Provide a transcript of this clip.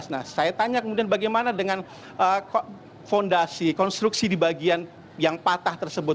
nah saya tanya kemudian bagaimana dengan fondasi konstruksi di bagian yang patah tersebut